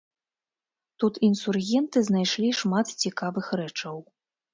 Тут інсургенты знайшлі шмат цікавых рэчаў.